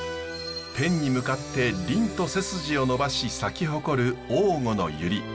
天に向かってりんと背筋を伸ばし咲き誇る淡河のユリ。